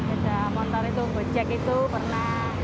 ada motor itu gojek itu pernah